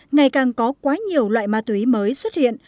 ngày càng có quá nhiều loại ma túy mới xuất hiện